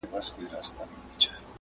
ډېري خزانې لرو الماس لرو په غرونو کي.